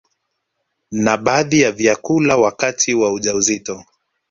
na baadhi ya vyakula wakati wa ujauzito